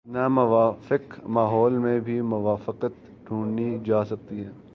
ناموافق ماحول میں بھی موافقت ڈھونڈی جا سکتی ہے۔